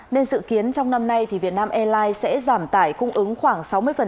nên dự kiến trong năm nay thì việt nam airline sẽ giảm tải cung ứng khoảng sáu mươi